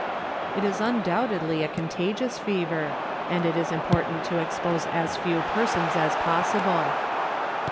" It is undoubtedly a contagious fever, and it is important to expose as few persons as possible."